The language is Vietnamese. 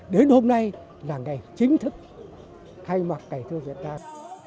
đến hôm nay là ngày chính thức thay mặt ngày thơ việt nam